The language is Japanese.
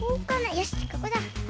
よしここだ！